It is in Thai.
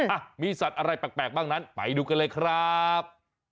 อ่ะมีสัตว์อะไรแปลกบ้างนั้นไปดูกันเลยครับ